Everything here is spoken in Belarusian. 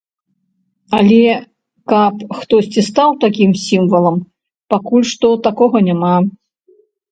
Але, каб хтосьці стаў такім сімвалам, пакуль што такога няма.